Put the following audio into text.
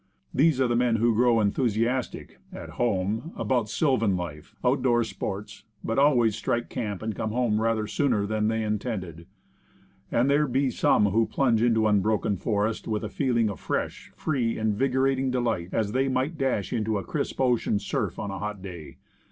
These are the men who grow enthusiastic at ' home about sylvan life, out door sports, but always strike camp and come home rather sooner than they intended. And there be some who plunge into an unbroken forest with a feel ing of fresh, free, invigorating delight, as they might dash into a crisp ocean surf on a hot day.